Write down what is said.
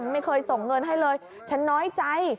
ไม่เคยส่งเงินให้เลยฉันน้อยใจ